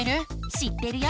知ってるよ！